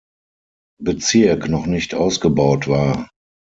Bezirk noch nicht ausgebaut war.